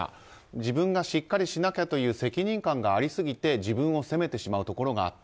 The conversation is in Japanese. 自分がしっかりしなきゃという責任感がありすぎて自分を責めてしまうところがあった。